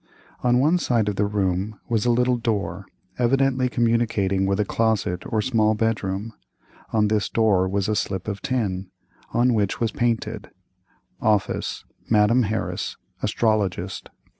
On one side of the room was a little door, evidently communicating with a closet or small bedroom; on this door was a slip of tin, on which was painted ++||| Office.—Madam Harris, Astrologist.